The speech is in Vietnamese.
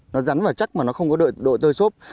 nó rắn và chắc mà nó không có độ tơi sốt